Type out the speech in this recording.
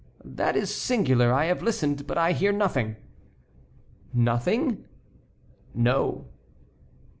"That is singular; I have listened, but I hear nothing." "Nothing?" "No."